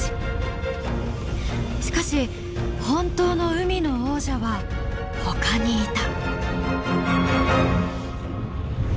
しかし本当の海の王者はほかにいた。